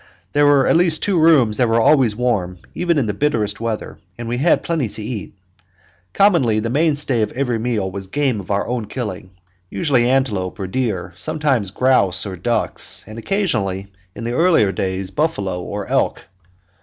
There were at least two rooms that were always warm, even in the bitterest weather; and we had plenty to eat. Commonly the mainstay of every meal was game of our own killing, usually antelope or deer, sometimes grouse or ducks, and occasionally, in the earlier days, buffalo or elk.